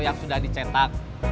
yang sudah dicicipi